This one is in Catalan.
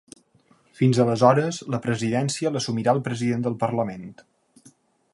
Fins aleshores, la presidència l’assumirà el president del parlament.